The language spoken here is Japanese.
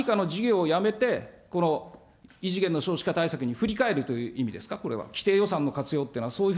ということは、何かの事業をやめて、この異次元の少子化対策にふりかえるという意味ですか、これは。